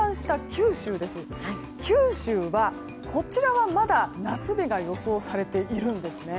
九州はまだ夏日が予想されているんですね。